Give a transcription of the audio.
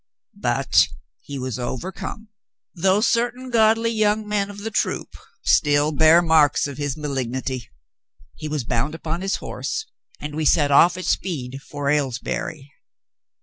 "But he was overcome, though certain godly young men of the troop still bear marks of his ma lignity. He was bound upon his horse, and we set off at speed for Aylesbury.